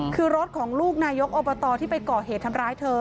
คือรถของลูกนายกอบตที่ไปก่อเหตุทำร้ายเธอ